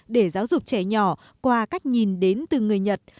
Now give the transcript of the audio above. để giáo dục trẻ nhỏ qua cách nhìn đến từ người nhật